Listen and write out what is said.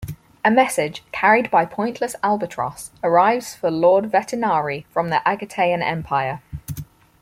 A message, carried by pointless albatross, arrives for Lord Vetinari from the Agatean Empire.